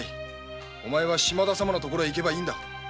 お前は島田様の所へ行けばいいのだ。